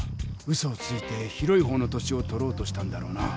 うそをついて広い方の土地をとろうとしたんだろうな。